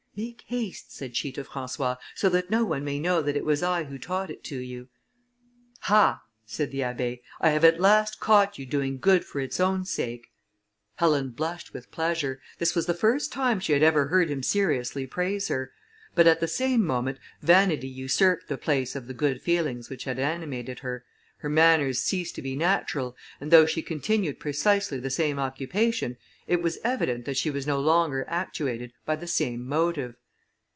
"Make haste," said she to François, "so that no one may know that it was I who taught it to you." "Ha!" said the Abbé, "I have at last caught you doing good for its own sake." Helen blushed with pleasure; this was the first time she had ever heard him seriously praise her. But at the same moment, vanity usurped the place of the good feelings which had animated her: her manners ceased to be natural, and though she continued precisely the same occupation, it was evident that she was no longer actuated by the same motive.